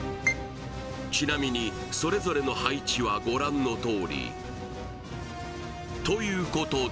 ちなみにそれぞれの配置はご覧のとおりということで